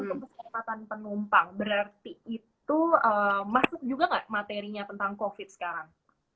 untuk keselamatan penumpang berarti itu masuk juga nggak materinya tentang covid sekarang